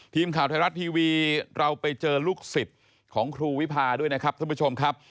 ทีมข่าวไทยรัฐทีวีเราไปเจอลูกศิษย์ของครูวิพาด้วยนะครับท่านผู้ชมครับ